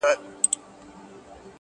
سترگي يې توري .پر مخ يې ښكل كړه.